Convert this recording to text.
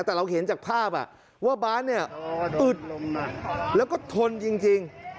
แต่เราเห็นจากภาพว่าบาสเนี่ยอึดแล้วก็ทนจริง